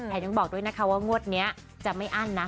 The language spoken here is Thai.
ยังบอกด้วยนะคะว่างวดนี้จะไม่อั้นนะ